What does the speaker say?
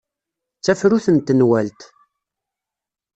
D tafrut n tenwalt.